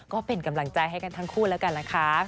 ก็เป็นกำลังใจให้กันทั้งคู่แล้วกันนะคะ